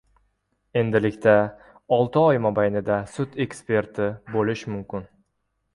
Endilikda olti oy mobaynida sud eksperti bo‘lish mumkin